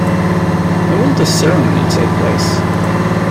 Where will the ceremony take place?